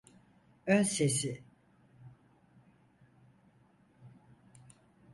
Önsezi.